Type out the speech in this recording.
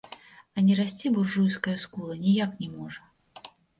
А не расці буржуйская скула ніяк не можа.